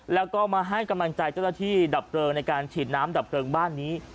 แล้วก็มาให้กำลังใจเจ้าหน้าที่ดับเพลิงในการฉีดน้ำดับเพลิงบ้านนี้